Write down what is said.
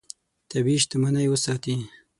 طبیعي شتمنۍ وساتې.